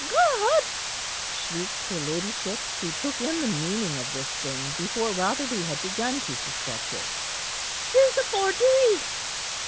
"God!" shrieked her ladyship, who took in the meaning of this thing before Rotherby had begun to suspect it. "'Tis a forgery!"